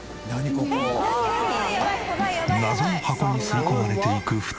謎の箱に吸い込まれていく２人。